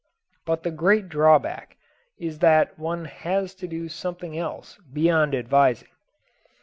But the great drawback is that one has to do something else beyond advising.